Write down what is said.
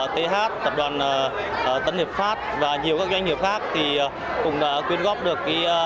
th tập đoàn tân hiệp pháp và nhiều các doanh nghiệp khác cũng đã quyên góp được